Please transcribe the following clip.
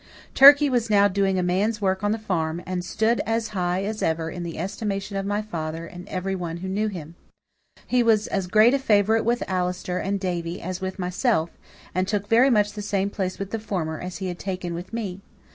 Turkey was now doing a man's work on the farm, and stood as high as ever in the estimation of my father and everyone who knew him. He was as great a favourite with Allister and Davie as with myself, and took very much the same place with the former as he had taken with me.